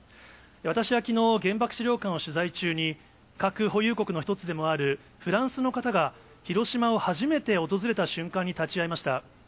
私はきのう、原爆資料館を取材中に、核保有国の一つでもあるフランスの方が、広島を初めて訪れた瞬間に立ち会いました。